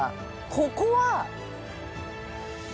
ここは。